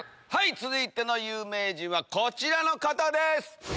続いての有名人はこちらの方です。